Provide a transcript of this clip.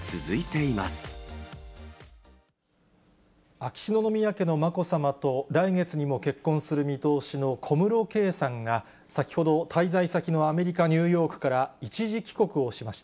秋篠宮家のまこさまと、来月にも結婚する見通しの小室圭さんが、先ほど、滞在先のアメリカ・ニューヨークから、一時帰国をしました。